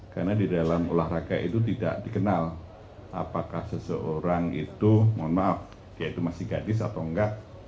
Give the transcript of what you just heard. karena di dalam olahraga itu tidak dikenal apakah seseorang itu mohon maaf ya itu masih gadis atau enggak